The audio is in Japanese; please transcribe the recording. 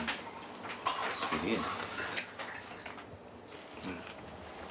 すげえな。